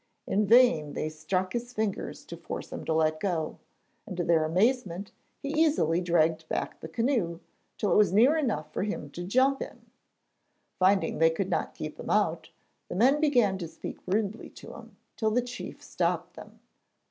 In vain they struck his fingers to force him to let go; and to their amazement he easily dragged back the canoe, till it was near enough for him to jump in. Finding they could not keep him out, the men began to speak rudely to him, till the chief stopped them.